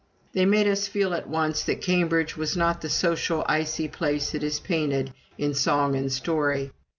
They made us feel at once that Cambridge was not the socially icy place it is painted in song and story.